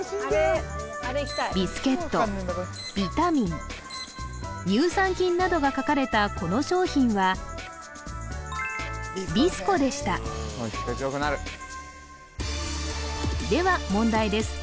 ビスケットビタミン乳酸菌などが書かれたこの商品はビスコでしたでは問題です